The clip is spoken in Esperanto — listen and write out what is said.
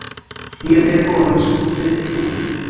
Mia telefono subite ekvibris.